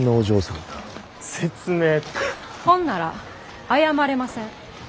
ほんなら謝れません。